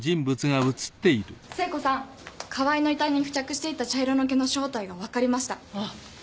聖子さん川井の遺体に付着していた茶色の毛の正体がわかりました。